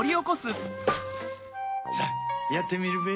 さぁやってみるべ。